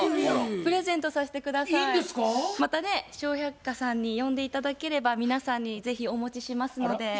またね「笑百科」さんに呼んで頂ければ皆さんに是非お持ちしますので。